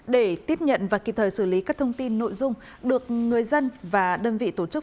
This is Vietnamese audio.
để tiếp nhận và kịp thời xử lý các thông tin nội dung được người dân và đơn vị tổ chức